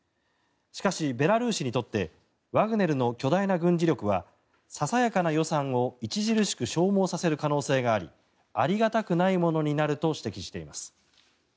しかし、ベラルーシにとってワグネルの巨大な軍事力はささやかな予算を著しく消耗させる可能性がありありがたくないものになると指摘しています。